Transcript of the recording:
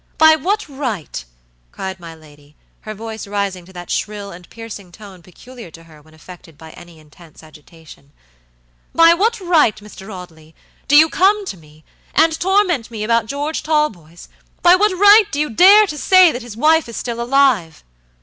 By what right," cried my lady, her voice rising to that shrill and piercing tone peculiar to her when affected by any intense agitation"by what right, Mr. Audley, do you come to me, and torment me about George Talboysby what right do you dare to say that his wife is still alive?"